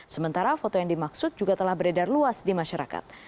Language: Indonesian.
sementara foto yang dimaksud juga telah beredar luas di masyarakat